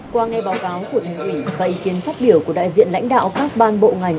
qua nghe báo cáo của thành ủy và ý kiến phát biểu của đại diện lãnh đạo các ban bộ ngành